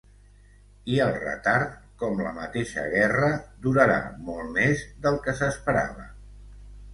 I el retard, com la mateixa guerra, durarà molt més del que s'esperava.